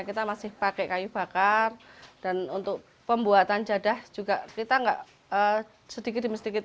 kita masih pakai kayu bakar dan untuk pembuatan jadah juga kita nggak sedikit demi sedikit